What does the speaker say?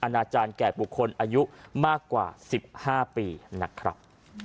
นาจารย์แก่บุคคลอายุมากกว่า๑๕ปีนะครับ